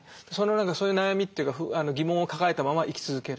そういう悩みというか疑問を抱えたまま生き続ける。